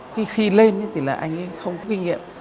khi lên thì là anh ấy không có kinh nghiệm